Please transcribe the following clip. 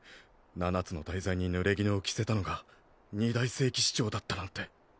七つの大罪に濡れ衣を着せたのが二大聖騎士長だったなんて。